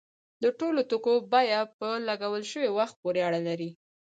د ټولو توکو بیه په لګول شوي وخت پورې اړه لري.